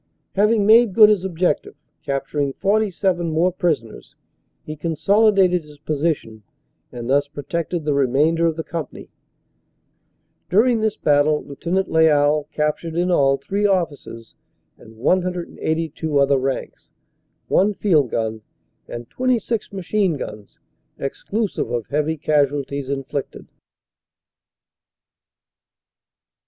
Having made good his objective, capturing 47 more prisoners, he consolidated his position and thus protected the remainder of the company. During this battle Lieut. Lyall captured in all three officers and 182 other ranks, one field gun and 26 machine guns, exclusive of heavy casualties inflicted.